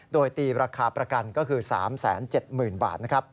โดยตีราคาประกันก็คือ๓๗๐๐๐๐บาท